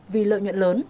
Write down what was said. vì lợi nhuận lớn